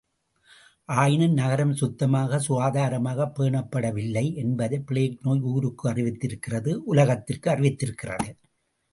ஆயினும் நகரம் சுத்தமாக, சுகாதாரமாகப் பேணப்படவில்லை, என்பதை பிளேக் நோய் ஊருக்கு அறிவித்திருக்கிறது உலகத்திற்கு அறிவித்திருக்கிறது.